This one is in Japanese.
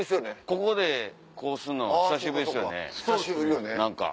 ここでこうするの久しぶりですよね何か。